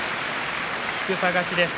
低さ勝ちです。